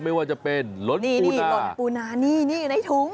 ไม่ว่าจะเป็นหลดปูนานี่หลดปูนานี่ในถุง